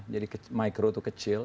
jadi micro itu kecil